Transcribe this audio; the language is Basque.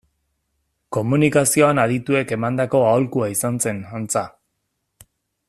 Komunikazioan adituek emandako aholkua izan zen, antza.